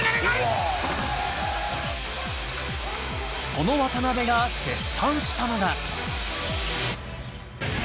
その渡邊が絶賛したのが。